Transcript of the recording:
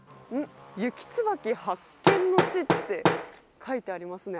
雪椿発見の地って書いてありますね。